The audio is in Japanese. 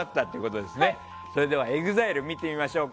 それではＥＸＩＬＥ見てみましょう。